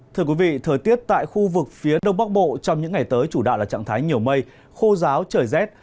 thưa quý vị thời tiết tại khu vực phía đông bắc bộ trong những ngày tới chủ đạo là trạng thái nhiều mây khô giáo trời rét